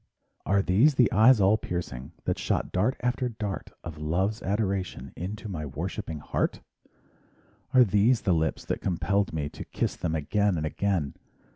Are these the eyes all piercing That shot dart after dart Of love and love's adoration Into my worshiping heart? Are these the lips that compelled me To kiss them again and again?